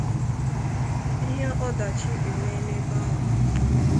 ihe ọdachi emee n'ebe ahụ.